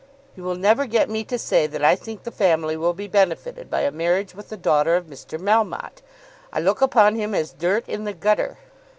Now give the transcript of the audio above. "You will never get me to say that I think the family will be benefited by a marriage with the daughter of Mr. Melmotte. I look upon him as dirt in the gutter.